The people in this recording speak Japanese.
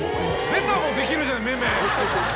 ベタもできるじゃんめめ。